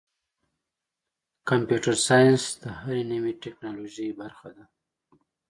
کمپیوټر ساینس د هرې نوې ټکنالوژۍ برخه ده.